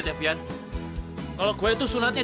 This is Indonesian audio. oke lah kalau begini lah ya